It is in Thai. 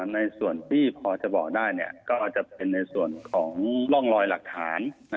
ในส่วนที่พอจะบอกได้ก็อาจจะเป็นในส่วนของร่องรอยหลักฐาน